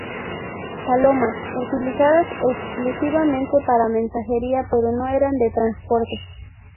Palomas: Utilizadas exclusivamente para mensajería, pero no eran de transporte.